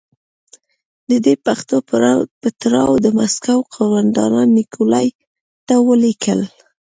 د دې پېښو په تړاو د مسکو قومندان نیکولای ته ولیکل.